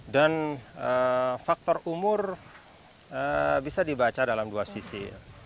dan faktor umur bisa dibaca dalam dua sisi